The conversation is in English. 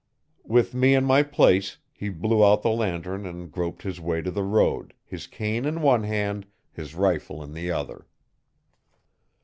With me in my place he blew out the lantern and groped his way to the road, his cane in one hand, his rifle in the other.